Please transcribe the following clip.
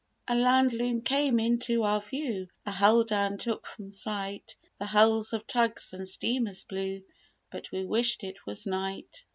A land loom came into our view, A hull down took from sight, The hulls of tugs and steamers blue But we wished it was night.